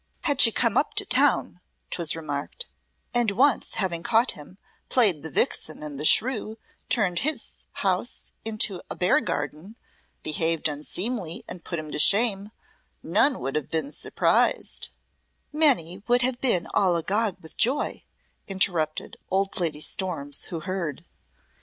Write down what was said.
"Had she come up to town," 'twas remarked, "and once having caught him, played the vixen and the shrew, turned his house into a bear garden, behaved unseemly and put him to shame, none would have been surprised " "Many would have been all agog with joy," interrupted old Lady Storms who heard.